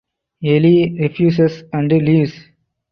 Elie refuses and leaves.